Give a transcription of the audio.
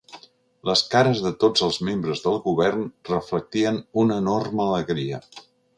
Les cares de tots els membres del govern reflectien una enorme alegria.